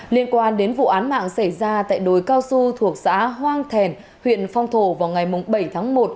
liên quan đến vụ án mạng xảy ra tại đồi cao su thuộc xã hoang thèn huyện phong thổ vào ngày bảy tháng một